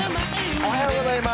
おはようございます。